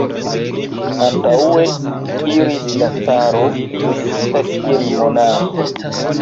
Antaŭe iris la caro, vestita kiel monaĥo.